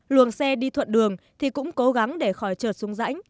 luồng xe đi thuận đường thì cũng cố gắng để khỏi trượt xuống rãnh